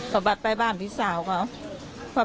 ก็ไปบ้านพี่สาวกับเขา